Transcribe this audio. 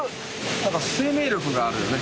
何か生命力があるよね。